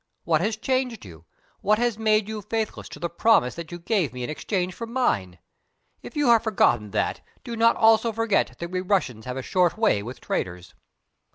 What has changed you? What has made you faithless to the promise that you gave me in exchange for mine? If you have forgotten that, do not also forget that we Russians have a short way with traitors."